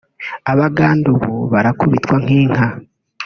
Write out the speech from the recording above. Abagande ubu barakubitwa nk’inka